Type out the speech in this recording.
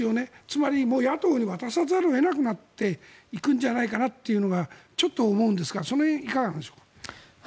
つまりもう野党に渡さざるを得なくなっていくんじゃないかなというのがちょっと思うんですがその辺、いかがでしょうか。